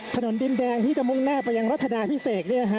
ถนนดินแดงที่จะมุ่งหน้าไปยังรัฐนาพิเศษเนี่ยฮะ